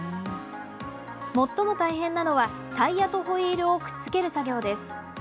最も大変なのは、タイヤとホイールをくっつける作業です。